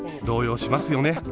動揺しますよね。